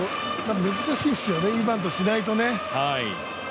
難しいんですよね、バントしないとね。